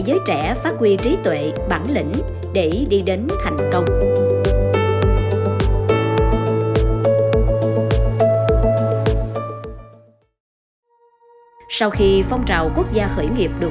giới trẻ phát huy trí tuệ bản lĩnh để đi đến thành công sau khi phong trào quốc gia khởi nghiệp được